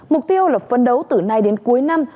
mục tiêu là phân đấu từ nay đến cuối năm